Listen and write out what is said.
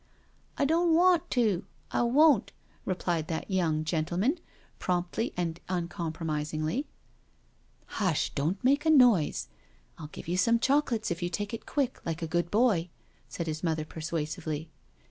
" I don* wan' to — I won't," replied that young gen tleman^ promptly and uncompromisingly. IN MIDDLEHAM CHURCH 193 " Hush, don't make a noise — I'll give yon some chocolates if you take it quick, like a good boy/' said his mother persuasively.